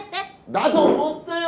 だと思ったよ！